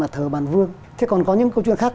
nhà thờ bàn vương thế còn có những câu chuyện khác